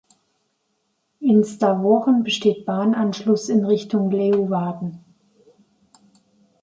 In Stavoren besteht Bahnanschluss in Richtung Leeuwarden.